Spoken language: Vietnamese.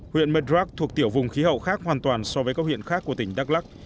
huyện murdrag thuộc tiểu vùng khí hậu khác hoàn toàn so với các huyện khác của tỉnh đắk lắc